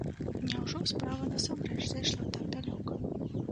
Няўжо справа насамрэч зайшла так далёка?